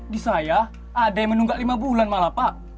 di saya ada yang menunggak lima bulan malah pak